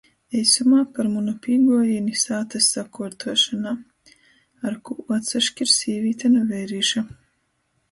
Eisumā par munu pīguojīni sātys sakuortuošonā... Ar kū atsaškir sīvīte nu veirīša??